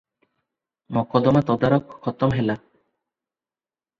ମକଦ୍ଦମା ତଦାରଖ ଖତମ ହେଲା ।